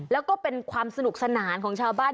แล้วก็เป็นความสนุกสนานของชาวบ้าน